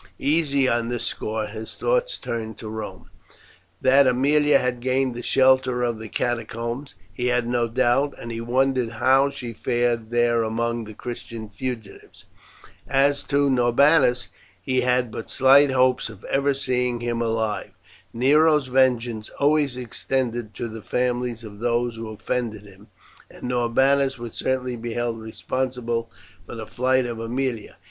Easy on this score, his thoughts turned to Rome. That Aemilia had gained the shelter of the Catacombs he had no doubt, and he wondered how she fared there among the Christian fugitives. As to Norbanus he had but slight hopes of ever seeing him alive. Nero's vengeance always extended to the families of those who offended him, and Norbanus would certainly be held responsible for the flight of Aemilia.